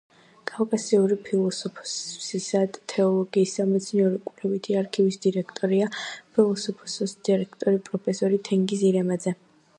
კავკასიური ფილოსოფიისა და თეოლოგიის სამეცნიერო-კვლევითი არქივის დირექტორია ფილოსოფიის დოქტორი, პროფესორი თენგიზ ირემაძე.